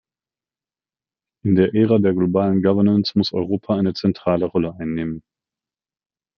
In der Ära der globalen Governance muss Europa eine zentrale Rolle einnehmen.